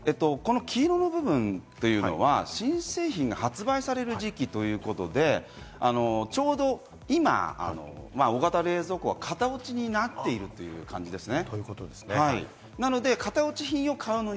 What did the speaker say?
この黄色の部分というのは新製品が発売される時期ということで、ちょうど今、大型冷蔵庫は型落ちになっていくということですね。